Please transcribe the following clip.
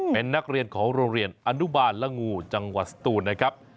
เป็นนักเรียนของโรงเรียนอนุบาลละงูจังหวัดสตูนนะครับ